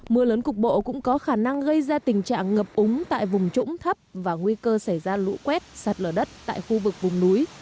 mưa lớn cục bộ cũng có khả năng gây ra tình trạng ngập úng tại vùng trũng thấp và nguy cơ xảy ra lũ quét sạt lở đất tại khu vực vùng núi